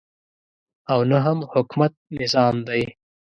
او نه هم حکومت نظام دی.